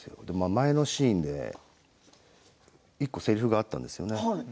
前のシーンで１個せりふがあったんですよね。